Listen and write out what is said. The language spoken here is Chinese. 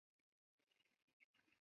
明斯克地铁在这里也设有车站。